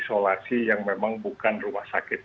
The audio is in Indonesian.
isolasi yang memang bukan rumah sakit